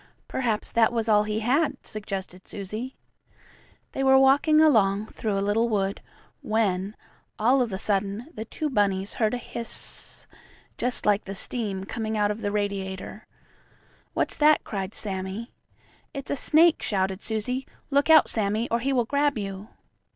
"Perhaps that was all he had," suggested Susie. They were walking along, through a little wood, when, all of a sudden, the two bunnies heard a hiss, just like the steam coming out of the radiator. "What's that?" cried Sammie. "It's a snake!" shouted Susie. "Look out, Sammie, or he will grab you."